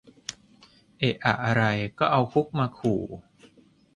เอะอะอะไรก็เอาคุกมาขู่